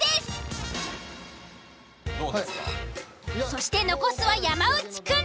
そして残すは山内くん。